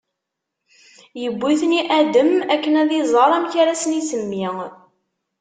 iwwi-ten i Adam akken ad iẓer amek ara sen-isemmi.